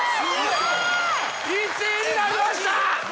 １位になりました。